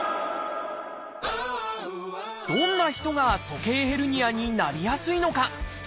どんな人が「鼠径ヘルニア」になりやすいのか？